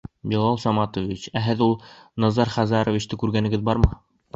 Билал Саматович, ә һеҙҙең ул Назар Хазаровичты күргәнегеҙ бармы?